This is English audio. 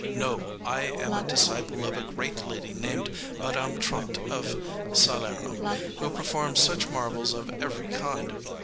No, I am a disciple of a great lady named Madame Trotte of Salerno, who performs such marvels of every kind.